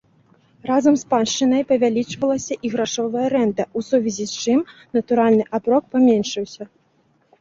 Разам з паншчынай павялічвалася і грашовая рэнта, у сувязі з чым натуральны аброк паменшыўся.